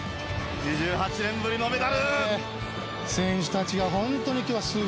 ２８年ぶりのメダル！